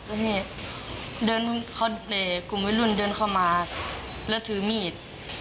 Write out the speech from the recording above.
แล้วที่นี่เดินเขาเอ่ยกลุ่มวิทยุลเดินเข้ามาแล้วถือมีด